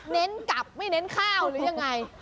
กลับไม่เน้นข้าวหรือยังไง